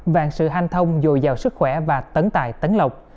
vàng sự hanh thông dồi dào sức khỏe và tấn tài tấn lộc